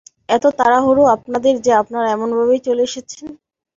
এত তাড়াহুড়ো আপনাদের যে আপনারা এমন ভাবেই চলে এসেছেন?